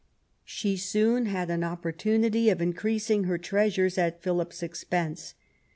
She soon had an opportunity of increasing her treasures at Philip's expense.